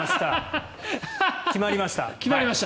決まりました。